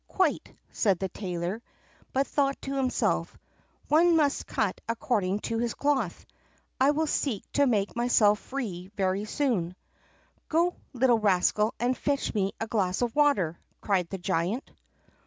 "Quite," said the tailor; but thought to himself: "One must cut according to his cloth; I will seek to make myself free very soon." "Go, little rascal, and fetch me a glass of water!" cried the giant.